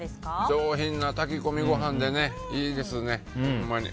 上品な炊き込みご飯でいいですね、ほんまに。